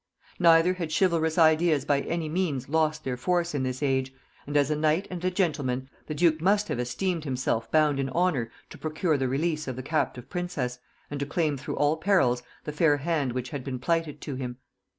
Neither had chivalrous ideas by any means lost their force in this age; and as a knight and a gentleman the duke must have esteemed himself bound in honor to procure the release of the captive princess, and to claim through all perils the fair hand which had been plighted to him.